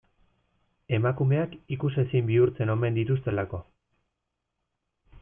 Emakumeak ikusezin bihurtzen omen dituztelako.